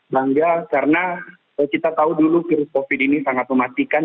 bangga karena kita tahu dulu virus covid sembilan belas ini sangat mematikan